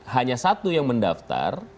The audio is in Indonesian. hanya satu yang mendaftar